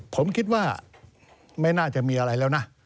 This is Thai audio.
ผมคิดว่าไม่น่าจะมีอะไรแล้วนะ